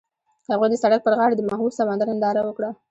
هغوی د سړک پر غاړه د محبوب سمندر ننداره وکړه.